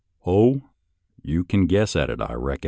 "" Oh, you can guess at it, I reckon